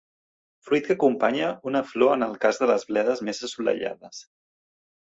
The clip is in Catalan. Fruit que acompanya una flor en el cas de les bledes més assolellades.